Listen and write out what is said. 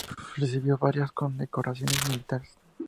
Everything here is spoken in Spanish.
Recibió varias condecoraciones militares.